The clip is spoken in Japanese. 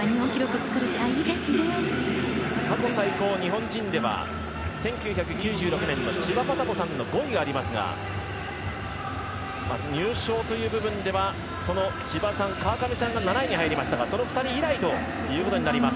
過去最高日本人では１９９６年の千葉真子さんの５位がありますが入賞という部分ではその千葉さん川上さんが７位だったのでその２人以来となります。